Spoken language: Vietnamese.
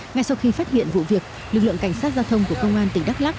ngay sau khi phát hiện vụ việc lực lượng cảnh sát giao thông của công an tỉnh đắk lắc